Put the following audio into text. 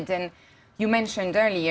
anda menyebutkan sebelumnya